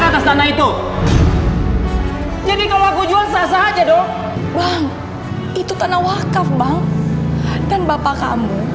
atas tanah itu jadi kalau aku jual sah sah aja dong bang itu tanah wakaf bang dan bapak kamu